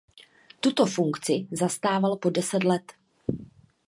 Tuto funkci zastával po deset let.